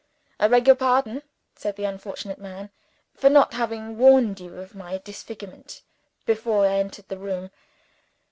"I beg your pardon," said this unfortunate man, "for not having warned you of my disfigurement, before I entered the room.